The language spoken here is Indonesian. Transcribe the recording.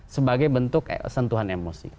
sebagai bentuk sentuhan emosi